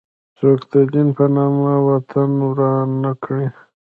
څوک د دین په نامه وطن وران نه کړي.